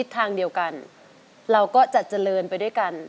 ฉันสิจำใจทน